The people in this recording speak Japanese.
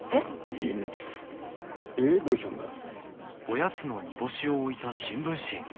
急にどうしたんだい？